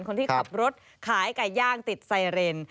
คนที่ขับรถขายไก่ย่างติดไซเรน